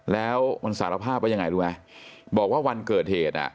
แล้วมันสารภาพว่ายังไงรู้ไหมบอกว่าวันเกิดเหตุอ่ะ